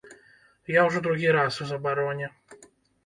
Я ўжо другі раз у забароне.